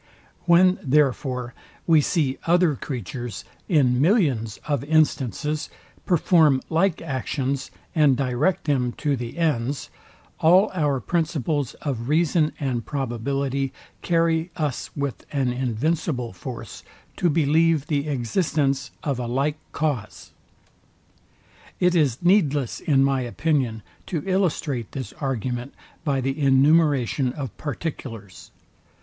When therefore we see other creatures, in millions of instances, perform like actions, and direct them to the ends, all our principles of reason and probability carry us with an invincible force to believe the existence of a like cause. It is needless in my opinion to illustrate this argument by the enumeration of particulars.